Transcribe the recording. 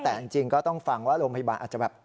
แต่จริงก็ต้องฟังว่าโรงพยาบาลอาจจะแบบ